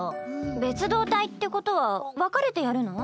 別働隊ってことは分かれてやるの？